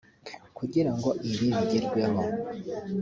Kugira ngo ibi bigerweho